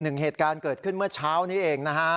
เหตุการณ์เกิดขึ้นเมื่อเช้านี้เองนะฮะ